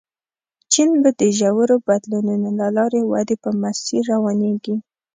چین به د ژورو بدلونونو له لارې ودې په مسیر روانېږي.